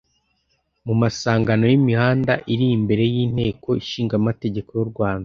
Mu masangano y'imihanda iri imbere y'inteko ishingamategeko y'u Rwanda,